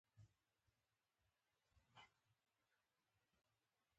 کندهار د افغانستان د ولایاتو په کچه توپیر لري.